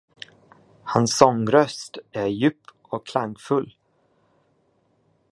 Hans sångröst är djup och klangfull.